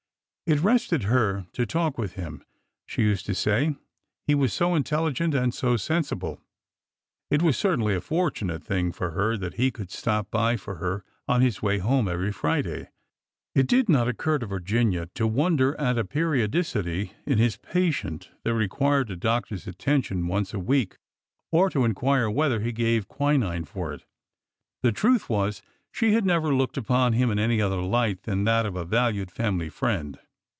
It rested her to talk with him, she used to say, he was so intelligent and so sensible. It was certainly a fortunate thing for her that he could stop by for her on his way home every Friday ! It did not occur to Virginia to won der at a periodicity in his patient that required a doctor's attention once a week, or to inquire whether he gave qui nine for it. The truth was, she had never looked upon him in any other light than that of a valued family friend.